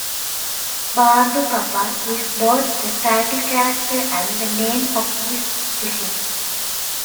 Barbapapa is both the title character and the name of his "species".